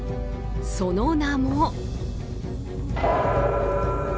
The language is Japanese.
その名も。